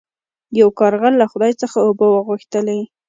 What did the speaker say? یو کارغه له خدای څخه اوبه وغوښتلې.